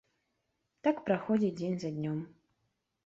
Так праходзіць дзень за днём.